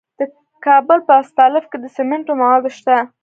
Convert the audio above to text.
د کابل په استالف کې د سمنټو مواد شته.